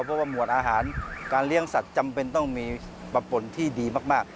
เพราะว่าหมวดอาหารการเลี้ยงสัตว์จำเป็นต้องมีปะปนที่ดีมาก